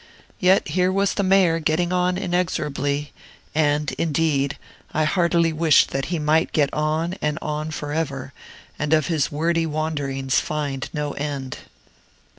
Yet here was the Mayor getting on inexorably, and, indeed, I heartily wished that he might get on and on forever, and of his wordy wanderings find no end.